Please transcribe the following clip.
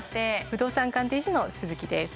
不動産鑑定士の鈴木です。